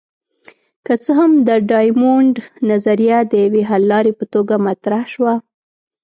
که څه هم د ډایمونډ نظریه د یوې حللارې په توګه مطرح شوه.